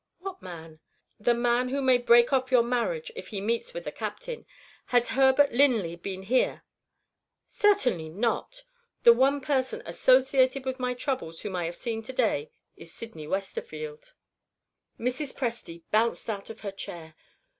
"What man?" "The man who may break off your marriage if he meets with the Captain. Has Herbert Linley been here?" "Certainly not. The one person associated with my troubles whom I have seen to day is Sydney Westerfield." Mrs. Presty bounced out of her chair.